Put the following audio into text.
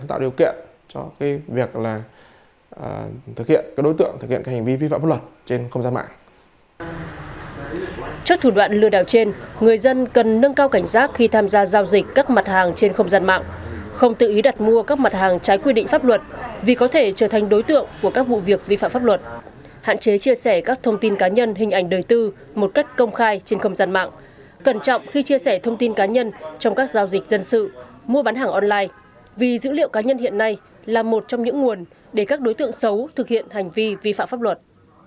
trước thủ đoạn lừa đảo trên người dân cần nâng cao cảnh sát khi tham gia giao dịch các mặt hàng trên không gian mạng không tự ý đặt mua các mặt hàng trái quy định pháp luật vì có thể trở thành đối tượng của các vụ việc vi phạm pháp luật hạn chế chia sẻ các thông tin cá nhân hình ảnh đời tư một cách công khai trên không gian mạng cần trọng khi chia sẻ thông tin cá nhân trong các giao dịch dân sự mua bán hàng online vì dữ liệu cá nhân hiện nay là một trong những nguồn để các đối tượng xấu thực hiện hành vi vi phạm pháp luật